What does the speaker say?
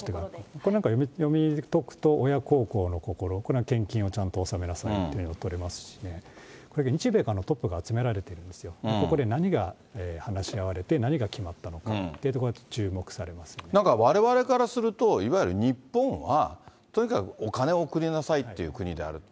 これ、読み解くと、親孝行の心、これは献金をちゃんと納めなさいと取れますし、これが日米韓のトップが集められているんですよ、これは何が話し合われて、何が決まったのかというところが注目さなんかわれわれからすると、いわゆる日本はとにかくお金を送りなさいという国であると。